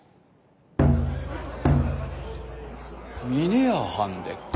峰屋はんでっか？